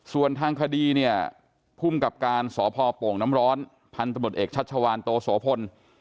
ส่วนทางคดีเนี่ยภูมิกับการสพโป่งน้ำร้อนพันธบทเอกชัชวานโตโสพล